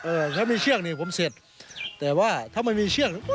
เออถ้ามีเชือกนี่ผมเสร็จแต่ว่าถ้ามันมีเชือก